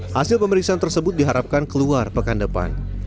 hasil pemeriksaan tersebut diharapkan keluar pekan depan